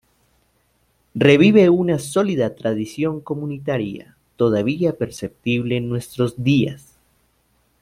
Revive una sólida tradición comunitaria, todavía perceptible en nuestros días.